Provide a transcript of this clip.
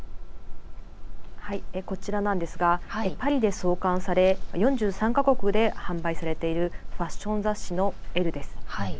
こちらなんですがパリで創刊され４３か国で販売されているファッション雑誌の「エル」です。